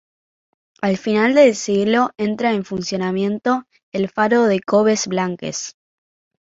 Al final de siglo entra un funcionamiento el faro de Coves Blanques.